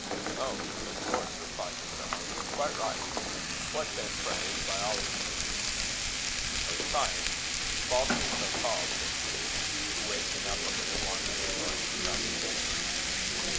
"Oh! of course," replied Mr. Arnold; "quite right. What, then, pray, is biology?" "A science, falsely so called," said Hugh, who, waking up a little, wanted to join in the conversation.